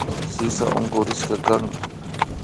Sisa unkurishkakan